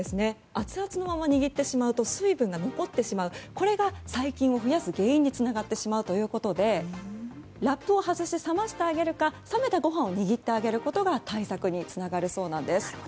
アツアツのまま握ってしまうと水分が残ってしまい細菌を増やす原因につながってしまうということでラップを外して冷ましてあげるか冷めたご飯を握ってあげることが対策につながるそうです。